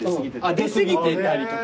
出過ぎてたりとか。